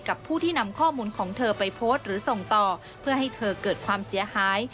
ผู้ที่นำข้อมูลของเธอไปโพสต์หรือส่งต่อเพื่อให้เธอเกิดความเสียหาย